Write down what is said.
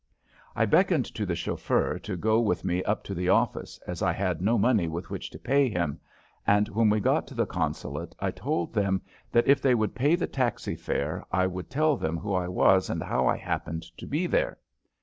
I beckoned to the chauffeur to go with me up to the office, as I had no money with which to pay him, and when we got to the consulate I told them that if they would pay the taxi fare I would tell them who I was and how I happened to be there.